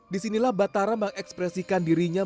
disinilah batara mengekspresikan dirinya